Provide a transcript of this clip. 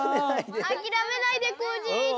あきらめないでコージ園長！